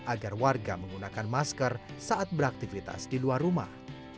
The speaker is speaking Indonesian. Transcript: agar warga menggunakan masker saat beraktivitas di luar rumah